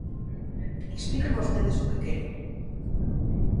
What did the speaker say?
Expliquen vostedes o que queren.